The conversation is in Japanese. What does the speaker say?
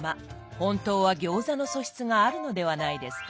本当は餃子の素質があるのではないですか？